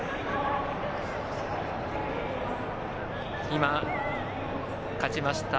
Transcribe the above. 今、勝ちました